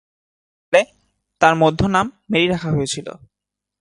ফলে, তার মধ্য নাম ‘মেরি’ রাখা হয়েছিল।